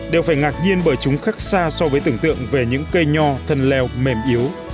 đều phải ngạc nhiên bởi chúng khác xa so với tưởng tượng về những cây nho thân leo mềm yếu